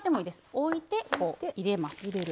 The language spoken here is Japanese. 置いて入れます。